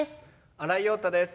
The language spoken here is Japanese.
新井庸太です。